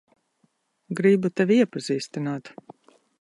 Gribu tevi iepazīstināt.